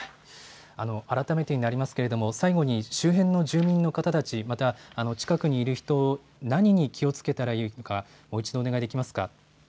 改めてになりますが、最後に周辺の住民の方たち、今、近くにいる人、何に気をつけたらいいのかもう一度お願いできますか。